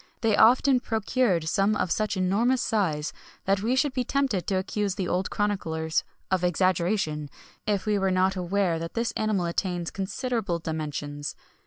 [XXI 73] They often procured some of such enormous size, that we should be tempted to accuse the old chroniclers of exaggeration, if we were not aware that this animal attains considerable dimensions.